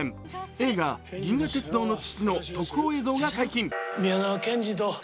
映画「銀河鉄道の父」の特報影像が解禁。